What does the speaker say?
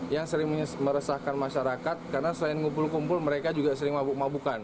yang sering meresahkan masyarakat karena selain ngumpul kumpul mereka juga sering mabuk mabukan